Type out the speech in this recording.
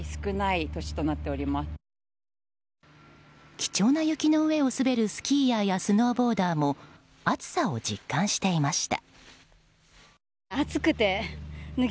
貴重な雪の上を滑るスキーヤーやスノーボーダーも暑さを実感していました。